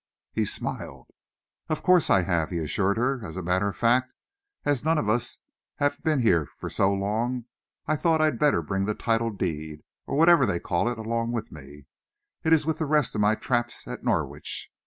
He smiled. "Of course I have," he assured her. "As a matter of fact, as none of us have been here for so long, I thought I'd better bring the title deed, or whatever they call it, along with me. It's with the rest of my traps at Norwich.